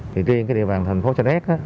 thì riêng cái địa bàn thành phố sa đéc